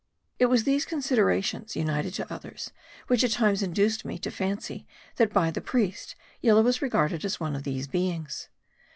It was these considerations, united to others, which at times induced me to fancy, that by the priest, Yillah was regarded as one of these beings.